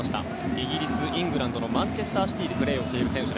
イギリス、イングランドのマンチェスター・シティーでプレーをしている選手。